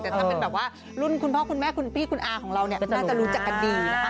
แต่ถ้าเป็นแบบว่ารุ่นคุณพ่อคุณแม่คุณพี่คุณอาของเราเนี่ยน่าจะรู้จักกันดีนะคะ